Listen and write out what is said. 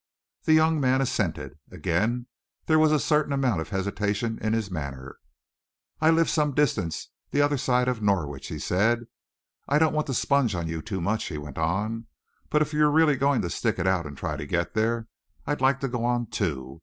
The young man assented. Again there was a certain amount of hesitation in his manner. "I live some distance the other side of Norwich," he said. "I don't want to sponge on you too much," he went on, "but if you're really going to stick it out and try and get there, I'd like to go on, too.